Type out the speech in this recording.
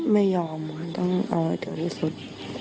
ไม่ยอมต้องเอาให้ถึงที่สุด